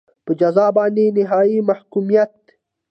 په جزا باندې نهایي محکومیت.